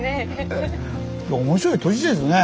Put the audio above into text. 面白い土地ですね。